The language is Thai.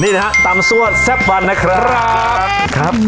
นี่นะฮะตำซั่วแซ่บวันนะครับครับ